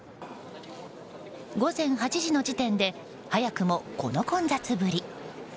午前８時の時点で早くもこの混雑ぶり。